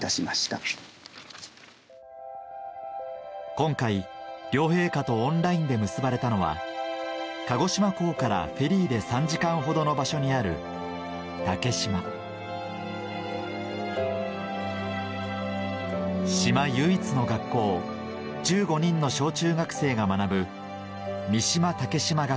今回両陛下とオンラインで結ばれたのは鹿児島港からフェリーで３時間ほどの場所にある竹島島唯一の学校１５人の小・中学生が学ぶ